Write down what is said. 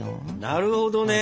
なるほどね。